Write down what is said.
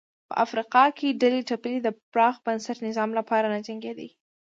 په افریقا کې ډلې ټپلې د پراخ بنسټه نظام لپاره نه جنګېدې.